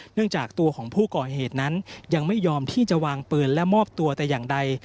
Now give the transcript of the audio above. จากตัวของผู้ก่อเหตุนั้นยังไม่ยอมที่จะวางปืนและมอบตัวแต่อย่างใด